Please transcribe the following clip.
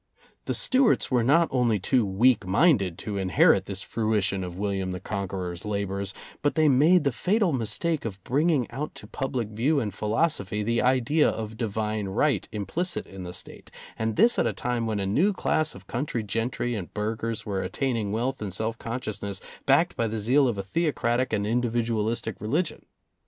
The Stuarts were not only too weak minded to inherit this fruition of William the Conqueror's labors, but they made the fatal mistake of bringing out to public view and philosophy the idea of Divine Right implicit in the State, and this at a time when a new class of country gentry and burghers were attaining wealth and self consciousness backed by the zeal of a theocratic and individual istic religion.